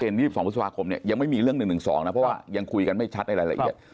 เกณฑ์๒๒พฤษภาคมยังไม่มีเรื่อง๑๑๒นะเพราะว่ายังคุยกันไม่ชัดอะไร